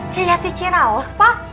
si yati ciraos pak